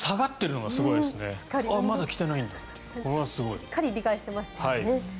しっかり理解してましたよね。